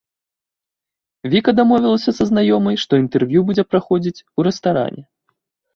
Віка дамовілася са знаёмай, што інтэрв'ю будзе праходзіць у рэстаране.